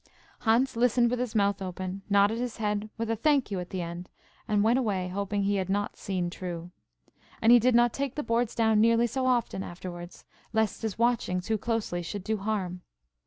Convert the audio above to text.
Hans listened with his mouth open, nodded his head, with a "Thank you!" at the end, and went away, hoping he had not "seen true." And he did not take the boards down nearly so often afterwards, lest his watching too closely should do harm.